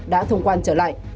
đã thông quan trở lại